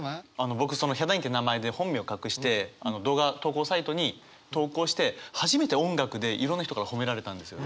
僕「ヒャダイン」っていう名前で本名隠して動画投稿サイトに投稿して初めて音楽でいろんな人から褒められたんですよね。